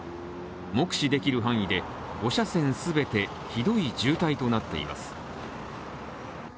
目視できる範囲で５車線全てひどい渋滞となっています。